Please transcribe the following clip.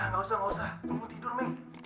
gak usah gak usah mau tidur men